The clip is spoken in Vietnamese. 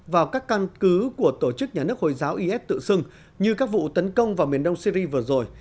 vào các căn cứ của tổ chức nhà nước hồi giáo is tự xưng như các vụ tấn công vào miền đông syri vừa rồi